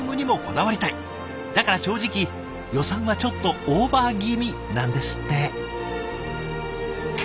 だから正直予算はちょっとオーバー気味なんですって。